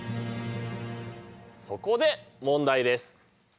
そこで問題です。